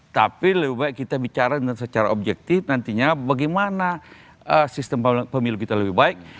tapi lebih baik kita bicara secara objektif nantinya bagaimana sistem pemilu kita lebih baik